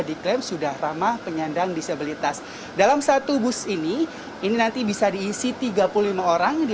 diklaim sudah ramah penyandang disabilitas dalam satu bus ini ini nanti bisa diisi tiga puluh lima orang di